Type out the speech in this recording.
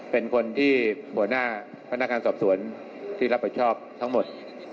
เป็นคนที่หัวหน้าพนักงานสอบสวนที่รับผิดชอบทั้งหมด